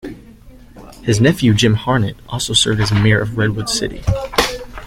His nephew Jim Harnett also served as mayor of Redwood City.